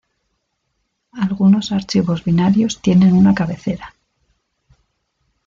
Algunos archivos binarios tienen una cabecera.